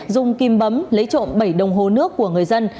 dùng kim bấm lấy trộm bảy đồng hồ nước của người dân